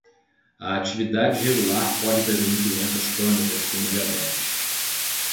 A atividade regular pode prevenir doenças crônicas, como diabetes.